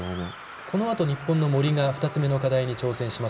このあと日本の森が２つ目の課題に挑戦します。